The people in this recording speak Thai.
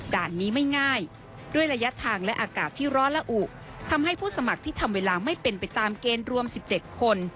ด่านนี้ไม่ง่ายด้วยระยะทางและอากาศที่ร้อนและอุทำให้ผู้สมัครที่ทำเวลาไม่เป็นไปตามเกณฑ์รวม๑๗คน